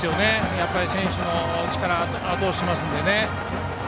やっぱり選手の力をあと押ししますのでね。